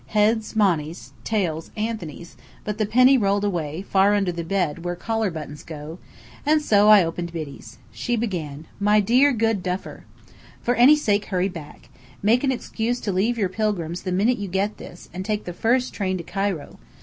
Heads, Monny's; tails, Anthony's; but the penny rolled away, far under the bed where collar buttons go, and so I opened Biddy's. She began: MY DEAR GOOD DUFFER! For any sake hurry back. Make an excuse to leave your pilgrims the minute you get this, and take the first train to Cairo.